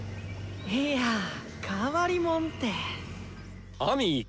いや変わりもんて。